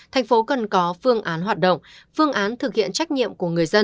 thành phố cần có phương án hoạt động phương án thực hiện trách nhiệm của người dân